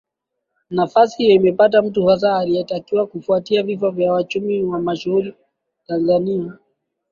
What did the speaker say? nafasi hiyo imepata mtu hasa aliyetakiwaKufuatia vifo vya wachumi mashuhuri wa Tanzania kama